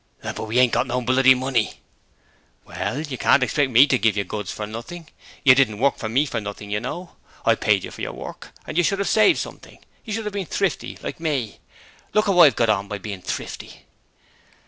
'But we ain't got no bloody money!' 'Well, you can't expect me to give you my goods for nothing! You didn't work for me for nothing, you know. I paid you for your work and you should have saved something: you should have been thrifty like me. Look how I have got on by being thrifty!'